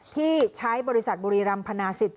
ที่ใช้บริษัทบุรีรำพนาศิษย